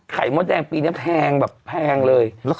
ไข่ม๊อตแดงก็อร่อย